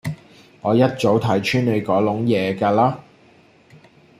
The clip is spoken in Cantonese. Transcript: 我一早睇穿你嗰籠嘢架喇